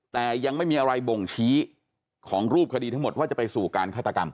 แต่ยังไม่มีอะไรบ่งชี้ของรูปคดีทั้งหมดว่าจะไปสู่การฆาตกรรม